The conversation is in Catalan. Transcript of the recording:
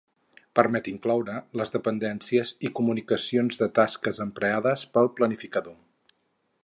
Permet incloure les dependències i comunicacions de tasques emprades pel planificador.